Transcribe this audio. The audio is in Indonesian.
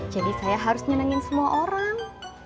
jadi saya harus nyenengin semua orang